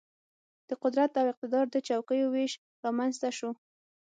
د قدرت او اقتدار د چوکیو وېش رامېنځته شو.